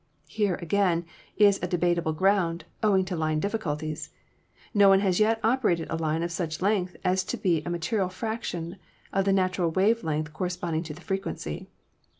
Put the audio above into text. Here, again, is a debatable ground, owing to line difficulties. No one has yet oper ated a line of such length as to be a material fraction of the natural wave length corresponding to the frequency.